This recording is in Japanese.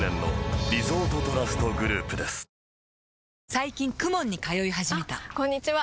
最近 ＫＵＭＯＮ に通い始めたあこんにちは！